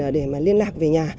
để mà liên lạc về nhà